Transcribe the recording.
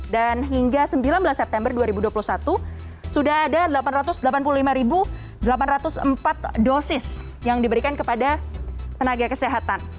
dan hingga sembilan belas september dua ribu dua puluh satu sudah ada delapan ratus delapan puluh lima delapan ratus empat dosis yang diberikan kepada tenaga kesehatan